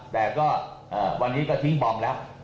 แต่ก็วันนี้ก็ทิ้งบอมแล้ว